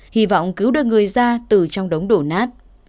hy vọng cứu được người ra từ trong đống đổ nát